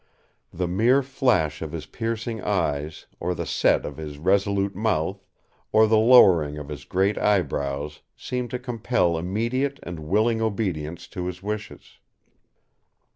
The mere flash of his piercing eyes, or the set of his resolute mouth, or the lowering of his great eyebrows, seemed to compel immediate and willing obedience to his wishes.